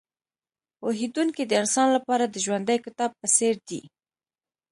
پوهېدونکی د انسان لپاره د ژوندي کتاب په څېر دی.